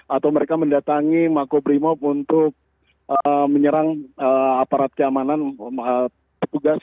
atau mereka mendatangi mako primot untuk menyerang aparat keamanan tugas